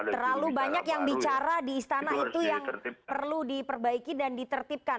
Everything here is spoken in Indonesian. terlalu banyak yang bicara di istana itu yang perlu diperbaiki dan ditertibkan